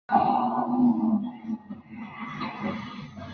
Presenta densos montes franja o fluviales en su curso inferior.